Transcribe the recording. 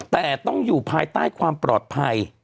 แต่ต้องอยู่ภายใต้ความปลอดภัย